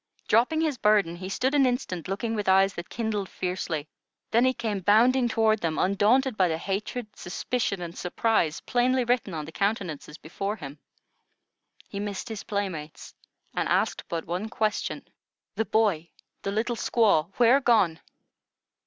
Dropping his burden, he stood an instant looking with eyes that kindled fiercely; then he came bounding toward them, undaunted by the hatred, suspicion, and surprise plainly written on the countenances before him. He missed his playmates, and asked but one question: "The boy, the little squaw, where gone?"